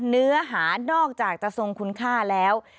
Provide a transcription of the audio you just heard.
เนื้อหานอกจากจะทรงคุณค่าแล้ว